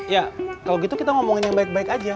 ya kalau gitu kita ngomongin yang baik baik aja